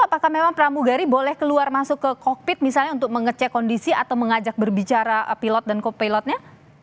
apakah memang pramugari boleh keluar masuk ke kokpit misalnya untuk mengecek kondisi atau mengajak berbicara pilot dan co pilotnya